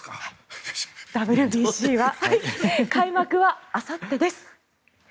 ＷＢＣは開幕はあさってです。